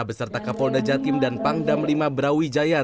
beserta kapolda jatim dan pangdam lima brawijaya